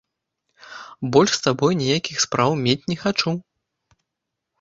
Больш з табой ніякіх спраў мець не хачу.